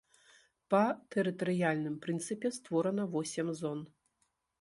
Па тэрытарыяльным прынцыпе створана восем зон.